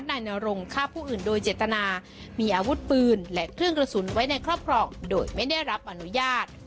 นายนรงฆ่าผู้อื่นโดยเจตนามีอาวุธปืนและเครื่องกระสุนไว้ในครอบครองโดยไม่ได้รับอนุญาต